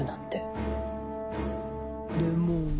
でも。